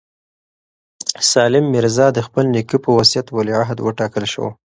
سام میرزا د خپل نیکه په وصیت ولیعهد وټاکل شو.